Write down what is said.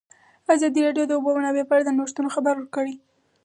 ازادي راډیو د د اوبو منابع په اړه د نوښتونو خبر ورکړی.